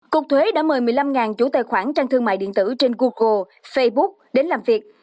cục thuế đã mời một mươi năm chủ tài khoản trang thương mại điện tử trên google facebook đến làm việc